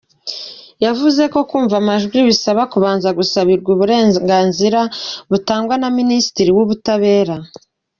Yavuze ko kumva amajwi bisaba kubanza gusabirwa uburenganzira butangwa na ministre w’ubutabera.